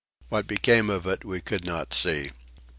What became of it we could not see.